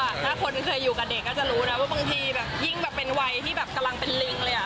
ถ้าคนเคยอยู่กับเด็กก็จะรู้นะว่าบางทีแบบยิ่งแบบเป็นวัยที่แบบกำลังเป็นลิงเลยอ่ะ